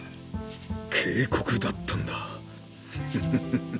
警告だったんだフフフッ。